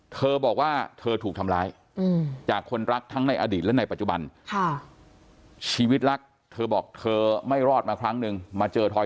เธอบอกว่าเธอถูกทำร้ายจากคนรักทั้งในอดีตและในปัจจุบันชีวิตรักเธอบอกเธอไม่รอดมาครั้งนึงมาเจอทอย